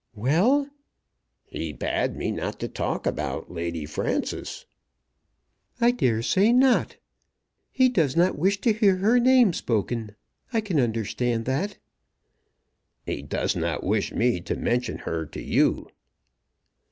"Well?" "He bade me not talk about Lady Frances." "I dare say not. He does not wish to hear her name spoken. I can understand that." "He does not wish me to mention her to you."